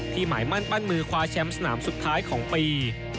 หมายมั่นปั้นมือคว้าแชมป์สนามสุดท้ายของปี